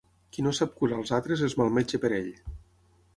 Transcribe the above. Qui no sap curar els altres és mal metge per ell.